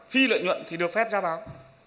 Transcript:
phi lợi nhuận thì được phép ra báo